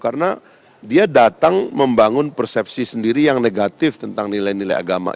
karena dia datang membangun persepsi sendiri yang negatif tentang nilai nilai agama